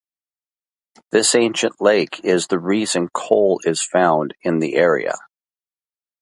This ancient lake is the reason coal is found in the area.